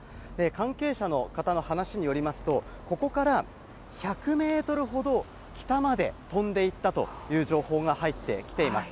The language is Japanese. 関係者の方の話によりますと、ここから１００メートルほど北まで飛んでいったという情報が入ってきています。